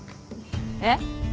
えっ？